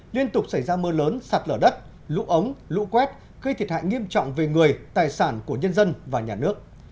liên tục xảy ra mưa lớn sạt lở đất lũ ống lũ quét gây thiệt hại nghiêm trọng về người tài sản của nhân dân và nhà nước